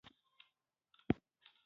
• د انګورو ونې په تاکو وده کوي.